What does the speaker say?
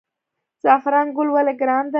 زعفران ګل ولې ګران دی؟